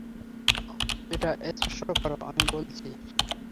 এটা স্পর্শ করো, আমি বলছি।